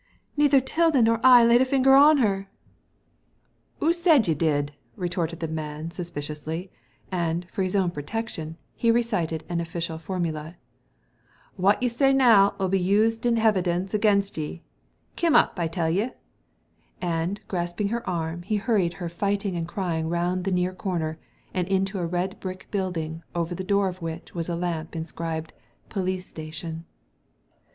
" Neither 'Tilda nor I laid a finger on her." Digitized by Google 4 THE LADY FROM NOWHERE /" 'Oo said y' did ?" retorted the man, suspiciously ; and, for his own protection he recited an official formula, " Wot / say now 'uU be used in hevidence agin y\ Kim up, I tell y*." And, grasping >er arm, he hurried her fighting and crying round the near corner, and into a red brick building, over, the door of which was a lamp inscribed " Police Station."